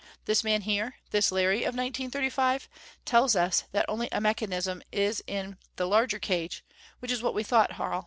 This man here this Larry of 1935 tells us that only a mechanism is in the larger cage which is what we thought, Harl.